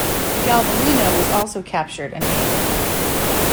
Galvarino was also captured and hanged.